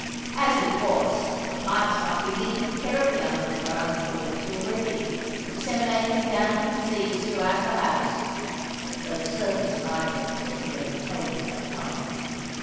As it was, the pipes might be leaking terribly under the ground floors already, disseminating damp and disease throughout the house (though the servants and I were particularly healthy at the time).